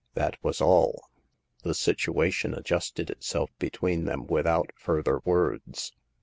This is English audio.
That was all ; the situation adjusted itself between them without further words.